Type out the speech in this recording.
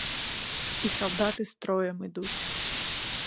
І салдаты строем ідуць.